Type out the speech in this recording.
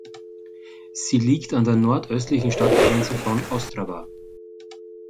Sie liegt an der nordöstlichen Stadtgrenze von Ostrava.